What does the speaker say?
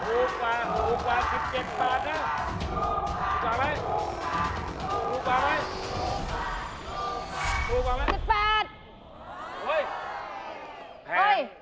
ถูกกว่าไหม